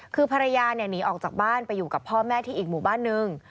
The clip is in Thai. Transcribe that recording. คือภรรยาเนี่ยหนีออกจากบ้านไปอยู่กับพ่อแม่ที่อีกหมู่บ้านนึง